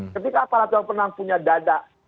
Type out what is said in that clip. ketika aparat yang pernah punya dada